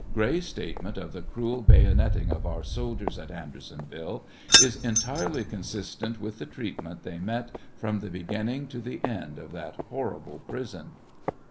Gray's statement of the cruel bayoneting of our soldiers at Andersonville is entirely consistent with the treatment they met from the beginning to the end of that horrible prison.